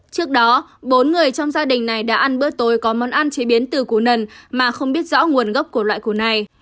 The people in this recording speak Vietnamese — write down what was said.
trước đó bốn người trong gia đình này đã ăn bữa tối có món ăn chế biến từ củ nần mà không biết rõ nguồn gốc của loại củ này